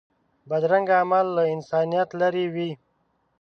بدرنګه عمل له انسانیت لرې وي